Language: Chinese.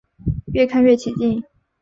越看越起劲